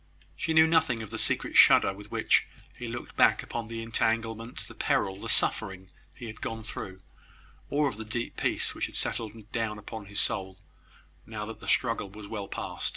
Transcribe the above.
She knew nothing of the secret shudder with which he looked back upon the entanglement, the peril, the suffering he had gone through; or of the deep peace which had settled down upon his soul, now that the struggle was well past.